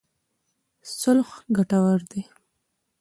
صلح ګټور دی.